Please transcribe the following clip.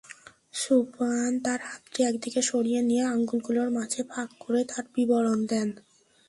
সুফয়ান তাঁর হাতটি একদিকে সরিয়ে নিয়ে আঙ্গুলগুলোর মাঝে ফাঁক করে তার বিবরণ দেন।